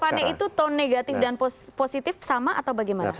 vane itu tone negatif dan positif sama atau bagaimana